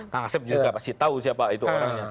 kak ngasib juga pasti tahu siapa itu orangnya